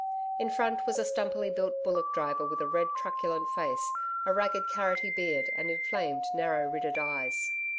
In front was a stumpily built bullock driver with a red, truculent face, a ragged carrotty beard and inflamed narrow ridded eyes.